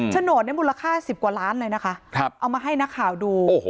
โฉนดเนี่ยมูลค่า๑๐กว่าล้านเลยนะคะเอามาให้นักข่าวดู